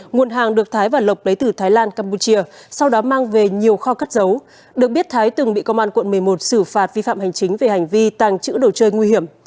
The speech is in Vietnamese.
nguồn hàng được thái và lộc lấy từ thái lan campuchia sau đó mang về nhiều kho cắt dấu được biết thái từng bị công an quận một mươi một xử phạt vi phạm hành chính về hành vi tàng trữ đồ chơi nguy hiểm